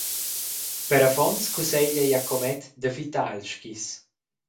Per affons cusseglia Jacomet d’affittar ils skis.